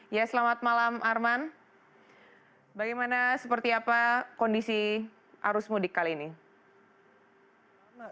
ya selamat malam arman bagaimana seperti apa kondisi arus mudik kali ini